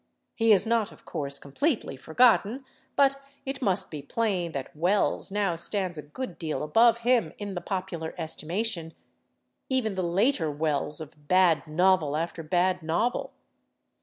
He is not, of course, completely forgotten, but it must be plain that Wells now stands a good deal above him in the popular estimation—even the later Wells of bad novel after bad novel.